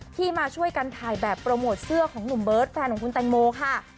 มาช่วยกันถ่ายแบบโปรโมทเสื้อของหนุ่มเบิร์ตแฟนของคุณแตงโมค่ะ